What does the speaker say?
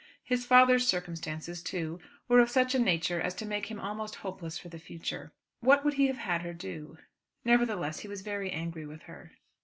His father's circumstances too were of such a nature as to make him almost hopeless for the future. What would he have had her do? Nevertheless he was very angry with her.